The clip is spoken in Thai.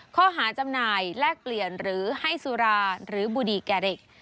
ข้อหาจำหน่ายแลกเปลี่ยนหรือให้สุราหรือบุดีแก่เด็ก